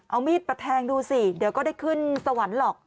เอามีดมาแทงดูสิเดี๋ยวก็ได้ขึ้นสวรรค์หรอก